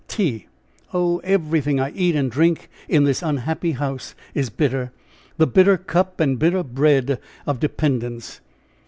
"Tea! Oh! everything I eat and drink in this unhappy house is bitter the bitter cup and bitter bread of dependence!"